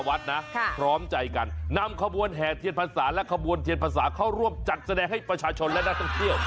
พร้อมใจกันนำขบวนแห่เทียนพรรษาและขบวนเทียนพรรษาเข้าร่วมจัดแสดงให้ประชาชนและนักท่องเที่ยว